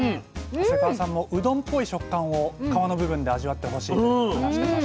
長谷川さんもうどんっぽい食感を皮の部分で味わってほしいと話してました。